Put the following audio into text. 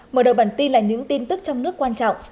mở đầu bản tin là những tin tức trong nước quan trọng